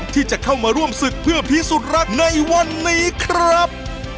ที่จะเข้ามาร่วมศึกเพื่อพิสูจน์รักในวันนี้ครับ